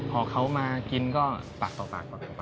พอเขามากินก็ปากต่อปาก